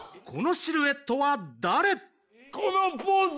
このポーズ。